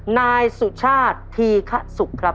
นายสุชาติธีคสุกครับ